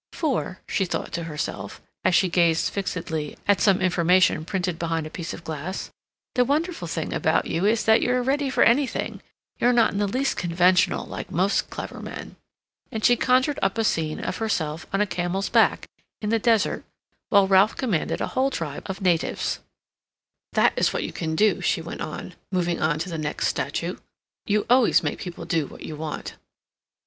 "For," she thought to herself, as she gazed fixedly at some information printed behind a piece of glass, "the wonderful thing about you is that you're ready for anything; you're not in the least conventional, like most clever men." And she conjured up a scene of herself on a camel's back, in the desert, while Ralph commanded a whole tribe of natives. "That is what you can do," she went on, moving on to the next statue. "You always make people do what you want."